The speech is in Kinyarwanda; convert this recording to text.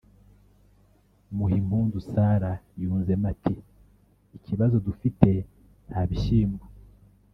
Muhimpundu Sara yunzemo ati “ikibazo dufite nta bishyimbo